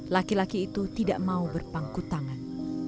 laki laki itu tidak mau berpangku tangan